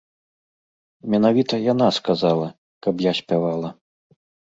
Менавіта яна сказала, каб я спявала.